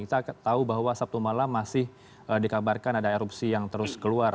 kita tahu bahwa sabtu malam masih dikabarkan ada erupsi yang terus keluar